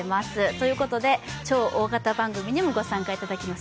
ということで超大型番組にもご参加いただきます